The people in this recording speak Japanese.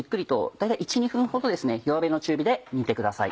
大体１２分ほど弱めの中火で煮てください。